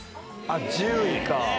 あっ１０位か。